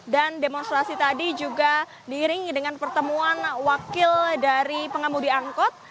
dan demonstrasi tadi juga diiringi dengan pertemuan wakil dari pengemudi angkut